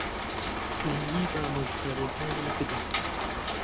گرنگی بە ئامۆژگارییەکانی بدەن.